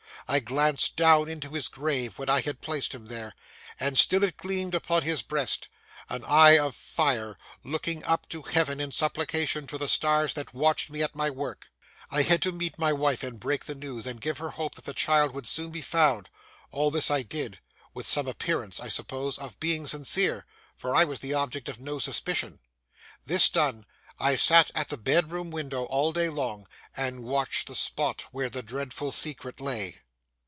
I glanced down into his grave when I had placed him there, and still it gleamed upon his breast; an eye of fire looking up to Heaven in supplication to the stars that watched me at my work. I had to meet my wife, and break the news, and give her hope that the child would soon be found. All this I did,—with some appearance, I suppose, of being sincere, for I was the object of no suspicion. This done, I sat at the bedroom window all day long, and watched the spot where the dreadful secret lay.